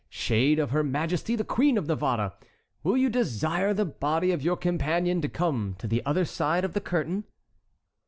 Shade of her majesty the Queen of Navarre, will you desire the body of your companion to come to the other side of the curtain?"